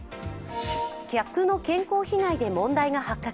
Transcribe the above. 客の健康被害で問題が発覚。